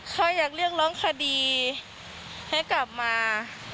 เขาอยากเรียกร้องคดีให้กลับมา